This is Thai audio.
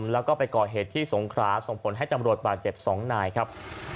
แล้วก็ไปก่อเหตุที่สงขราส่งผลให้ตำรวจบาดเจ็บ๒นายครับ